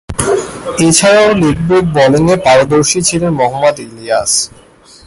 এছাড়াও, leg break বোলিংয়ে পারদর্শী ছিলেন মোহাম্মদ ইলিয়াস।